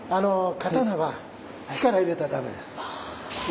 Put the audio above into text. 刀は力入れたらダメです。